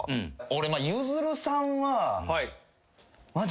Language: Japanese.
俺ゆずるさんは。お前。